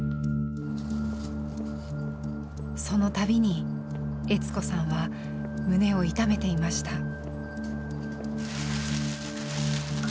その度に悦子さんは胸を痛めていました。